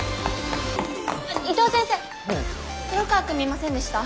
伊藤先生黒川くん見ませんでした？